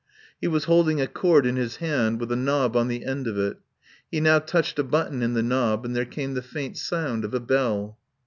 He was holding a cord in his hand with a knob on the end of it. He now touched a button in the knob and there came the faint sound of a bell.